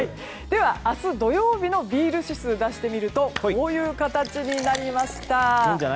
では、明日土曜日のビール指数を出してみるとこういう形になりました。